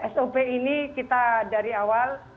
sop ini kita dari awal